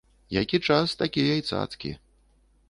Які час, такія і цацкі.